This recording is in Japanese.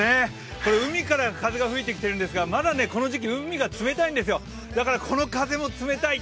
海から風が吹いてきてるんですが、まだこの時期、海が冷たいんですよ、だからこの風も冷たい。